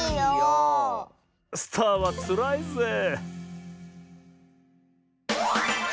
スターはつらいぜえ。